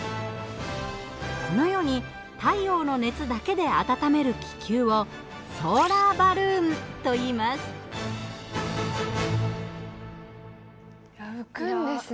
このように太陽の熱だけで温める気球を浮くんですね。